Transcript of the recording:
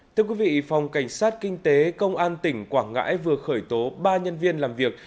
thưa quý vị phòng cảnh sát kinh tế công an tỉnh quảng ngãi vừa khởi tố ba nhân viên làm việc